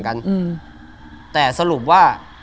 กันแต่สรุปว่า